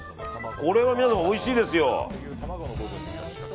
これは皆さん、おいしいですよ。